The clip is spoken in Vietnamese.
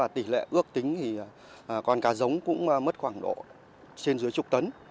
tỷ lệ ước tính thì con cá giống cũng mất khoảng độ trên dưới chục tấn